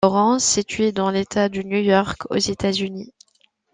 Lawrence, situé dans l'État de New York, aux États-Unis.